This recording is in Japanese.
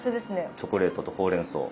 チョコレートとほうれんそう。